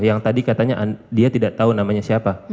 yang tadi katanya dia tidak tahu namanya siapa